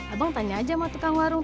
abang tanya aja sama tukang warung